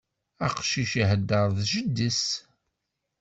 Aqcic ihedder d jeddi-s.